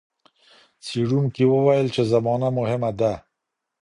څېړونکي وویل چي زمانه مهمه ده.